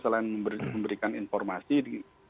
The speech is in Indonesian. selain memberikan informasi di